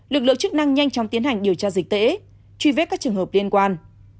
lực lượng chức năng nhanh chóng tiến hành điều tra dịch tễ truy vết các trường hợp liên quan